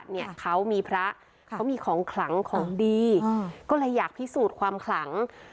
เนี่ยเขามีพระเขามีของขลังของดีก็เลยอยากพิสูจน์ความขลัง